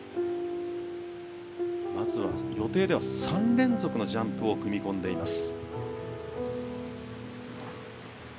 まずは予定では３連続のジャンプを組み込んでいます。